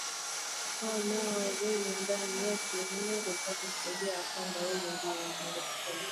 hao nao wawe ndani yetu ili ulimwengu upate kusadiki ya kwamba wewe ndiwe uliyenituma